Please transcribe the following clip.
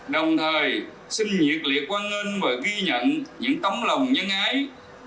đồng thời xin nhiệt liệt quan ân và ghi nhận những tấm lòng nhân an